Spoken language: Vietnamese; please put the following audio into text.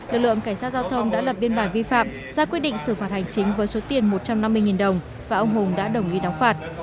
lực lượng cảnh sát giao thông đã lập biên bản vi phạm ra quyết định xử phạt hành chính với số tiền một trăm năm mươi đồng và ông hùng đã đồng ý đóng phạt